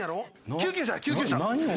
救急車や救急車。